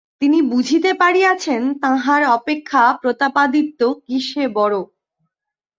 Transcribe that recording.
তিনি বুঝিতে পারিয়াছেন, তাঁহার অপেক্ষা প্রতাপাদিত্য কিসে বড়ো।